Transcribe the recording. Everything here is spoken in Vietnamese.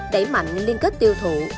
đẩy mạnh liên kết tiêu thụ